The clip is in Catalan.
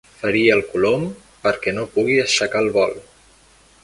Ferir el colom perquè no pugui aixecar el vol.